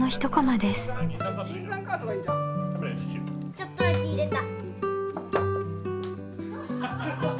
ちょっとだけ入れた。